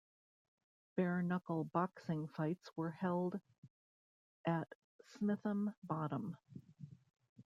Bare-knuckle boxing fights were held at Smitham Bottom.